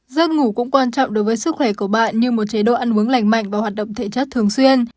giấc ngủ cũng quan trọng đối với sức khỏe của bạn như một chế độ ăn uống lành mạnh và hoạt động thể chất thường xuyên